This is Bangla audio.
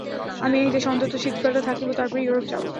আমি এই দেশে অন্তত শীতকালটা থাকিব, তারপর ইউরোপ যাইব।